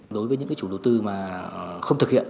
đối với những chủ đầu tư mà không thực hiện